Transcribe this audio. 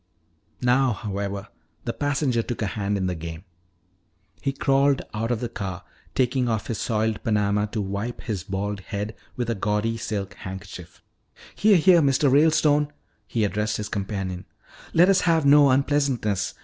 Now, however, the passenger took a hand in the game. He crawled out of the car, taking off his soiled panama to wipe his bald head with a gaudy silk handkerchief. "Here, here, Mr. Ralestone," he addressed his companion, "let us have no unpleasantness.